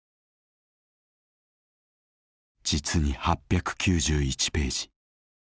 実に８９１ページ。